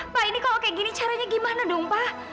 pak ini kalau kayak gini caranya gimana dong pak